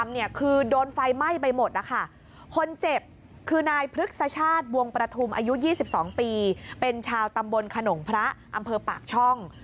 คือโดนไฟไหม้ไปหมดนะคะคนเจ็บคือนายพฤกษชาติวงประทุมอายุ๒๒ปีเป็นชาวตำบลขนงพระอำเภอปากช่อง